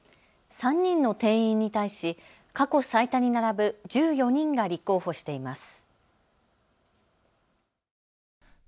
３人の定員に対し過去最多に並ぶ１４人が立候補しています。